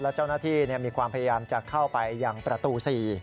และเจ้าหน้าที่มีความพยายามจะเข้าไปยังประตู๔